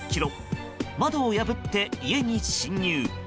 窓を破って家に侵入。